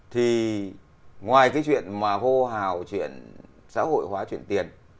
thì ngoài cái chuyện mà hô hào chuyện xã hội hóa chuyển tiền